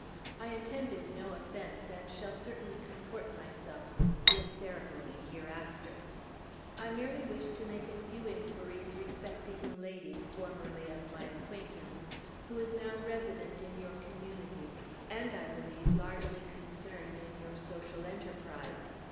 "I intended no offence, and shall certainly comport myself with due ceremony hereafter. I merely wish to make a few inquiries respecting a lady, formerly of my acquaintance, who is now resident in your Community, and, I believe, largely concerned in your social enterprise.